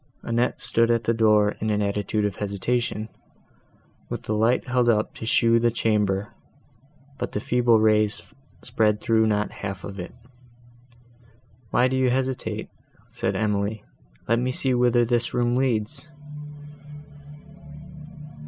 Annette stood at the door, in an attitude of hesitation, with the light held up to show the chamber, but the feeble rays spread through not half of it. "Why do you hesitate?" said Emily, "let me see whither this room leads."